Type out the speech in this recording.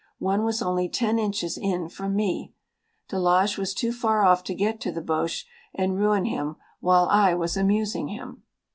One was only ten inches in from me. De Laage was too far off to get to the Boche and ruin him while I was amusing him.